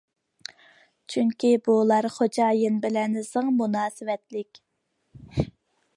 چۈنكى، بۇلار خوجايىنى بىلەن زىچ مۇناسىۋەتلىك.